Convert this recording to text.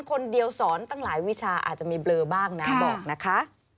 คนเดียวสอนตั้งหลายวิชาอาจจะมีเบลอบ้างนะบอกนะคะ